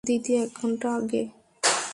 দিদি, এক ঘন্টা আগে।